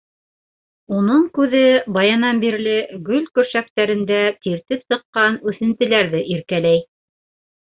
Уның күҙе баянан бирле гөл көршәктәрендә тиртеп сыҡҡан үҫентеләрҙе иркәләй.